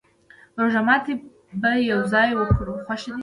روژه ماته به يو ځای وکرو، خوښه دې ده؟